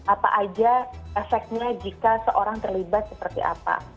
apa aja efeknya jika seorang terlibat seperti apa